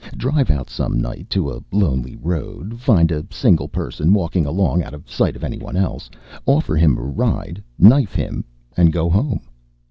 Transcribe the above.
Drive out some night to a lonely road, find a single person walking along out of sight of anyone else, offer him a ride, knife him, and go home.